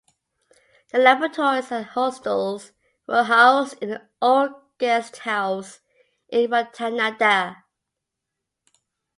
The laboratories and hostels were housed in the old guest house in Ratanada.